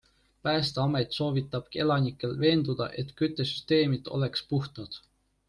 Päästeamet soovitab elanikel veenduda, et küttesüsteemid oleks puhtad.